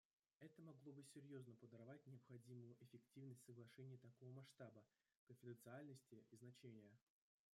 Это могло бы серьезно подорвать необходимую эффективность соглашений такого масштаба, конфиденциальности и значения.